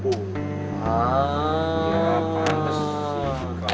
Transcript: ya pantas sih